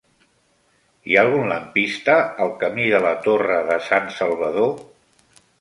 Hi ha algun lampista al camí de la Torre de Sansalvador?